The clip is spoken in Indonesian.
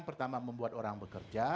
pertama membuat orang bekerja